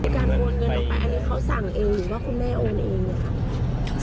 การโอนเงินออกไปอันนี้เขาสั่งเองหรือว่าคุณแม่โอนเองหรือคะ